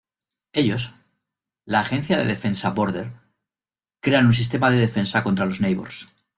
Ellos, la agencia de defensa "Border", crean un sistema de defensa contra los Neighbors.